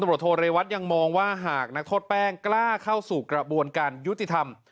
ตำรวจโทเรวัตยังมองว่าหากนักโทษแป้งกล้าเข้าสู่กระบวนการยุติธรรม